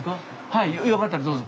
はいよかったらどうぞ。